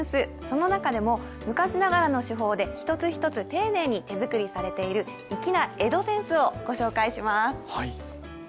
その中でも昔ながらの手法で一つ一つ、丁寧に手作りされている粋な江戸扇子をご紹介します。